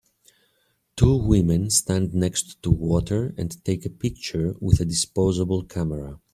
Two women stand next to water and take a picture with a disposable camera.